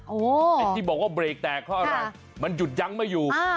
ไอ้ที่บอกว่าเบรกแตกเพราะอะไรมันหยุดยั้งไม่อยู่